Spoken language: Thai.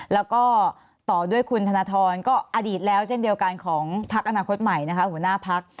แล้วก็ต่อด้วยคุณธนทรก็อดีตแล้วเช่นเดียวกันของพักอนาคตใหม่นะคะหัวหน้าพัก